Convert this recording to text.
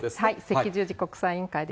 赤十字国際委員会です。